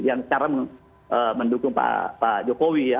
yang secara mendukung pak jokowi